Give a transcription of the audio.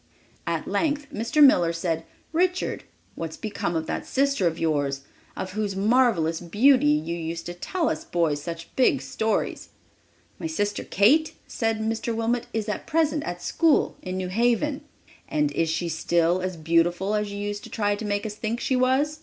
At length Mr. Miller said: "Richard, what has become of that sister of yours, of whose marvelous beauty you used to tell us boys such big stories?" "My sister Kate," said Mr. Wilmot, "is at present at school in New Haven." "And is she still as beautiful as you used to try to make us think she was?"